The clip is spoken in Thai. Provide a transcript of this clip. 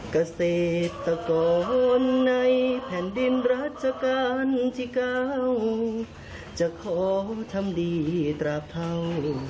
เกษตรกรในแผ่นดินรัชกาลที่๙จะขอทำดีตราพัง